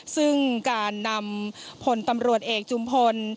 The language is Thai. ซึ่งการนำผลตำรวจเอกจุมพล